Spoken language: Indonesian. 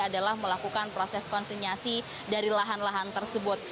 adalah melakukan proses konsinyasi dari lahan lahan tersebut